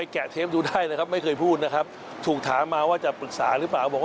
คือท่านนายออกประยุทธิ์เพราะผมไม่ปรึกษาใช่ไหมครับ